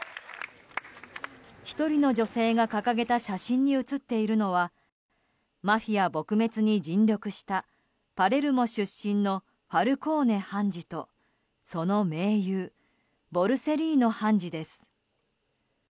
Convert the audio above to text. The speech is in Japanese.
１人の女性が掲げた写真に写っているのはマフィア撲滅に尽力したパレルモ出身のファルコーネ判事とその盟友ボルセリーノ判事です。